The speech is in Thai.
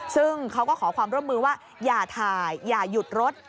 ซึ่งเขาก็ขอความร่วมมือว่าอย่าถ่ายอย่าหยุดรถ